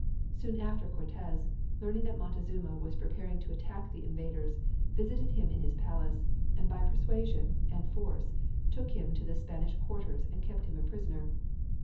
Soon after Cortez, learning that Montezuma was preparing to attack the inavders, visited him in his palace, and by persuasion and force took him to the Span ish quarters and kept him a prisoner.